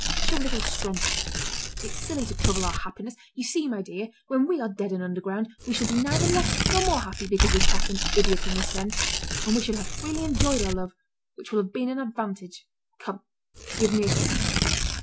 Show a little strength. It's silly to trouble our happiness. You see, my dear, when we are dead and underground, we shall be neither less nor more happy, because we cast an idiot in the Seine, and we shall have freely enjoyed our love which will have been an advantage. Come, give me a kiss."